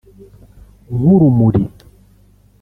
nk’urumuri